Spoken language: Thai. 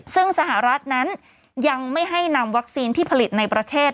ซึ่งสหรัฐนั้นยังไม่ให้นำวัคซีนที่ผลิตในประเทศ